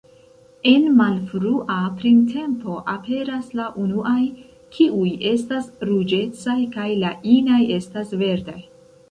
En malfrua printempo aperas la unuaj; kiuj estas ruĝecaj kaj la inaj estas verdaj.